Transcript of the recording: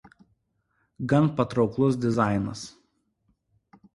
Gan patrauklus dizainas.